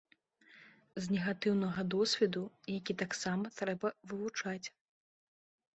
З негатыўнага досведу, які таксама трэба вывучаць.